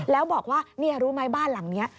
แล้วบอกว่านี่รู้ไหมบ้านหลังนี้